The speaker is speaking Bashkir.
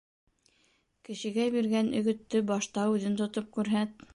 Кешегә биргән өгөттө башта үҙен тотоп күрһәт.